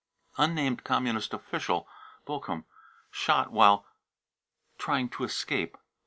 unnamed communist official, Bochum, shot c< while trying to escape."